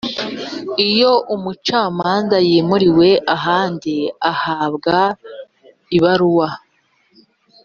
iyo umucamanza yimuriwe ahandi ahabwa ibaruwa